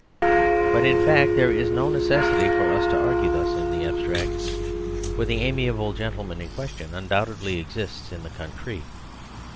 But in fact there is no necessity for us to ar gue thus in the abstract; for the amiable gen tleman in question undoubtedly exists in the concrete.